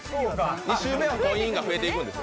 ２周目は「コイン」が増えていくんです。